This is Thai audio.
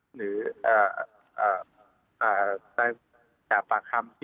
หรือข้าม